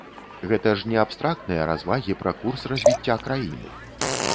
Гэта ж не абстрактныя развагі пра курс развіцця краіны!